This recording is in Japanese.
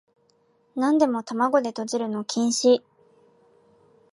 なんでも玉子でとじるの禁止